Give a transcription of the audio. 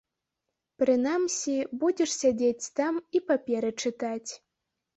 Прынамсі, будзеш сядзець там і паперы чытаць.